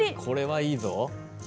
これはいいぞ。